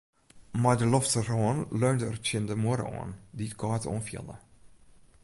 Mei de lofterhân leunde er tsjin de muorre oan, dy't kâld oanfielde.